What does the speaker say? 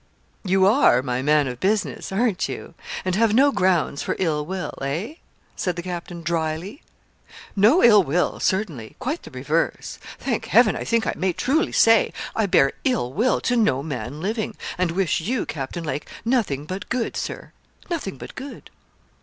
'You are my man of business aren't you? and have no grounds for ill will eh?' said the captain, drily. 'No ill will certainly quite the reverse. Thank Heaven, I think I may truly say, I bear ill will to no man living; and wish you, Captain Lake, nothing but good, Sir nothing but good.'